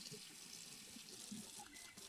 namna ya kutengeneza juice ya viazi lishe